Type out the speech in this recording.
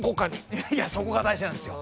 いやいやそこが大事なんですよ。